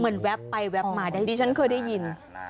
เหมือนวาบไปวาบมาดิฉันเคยได้ยิน